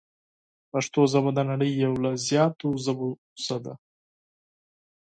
پښتو ژبه د نړۍ یو له زیاتو ژبو څخه ده.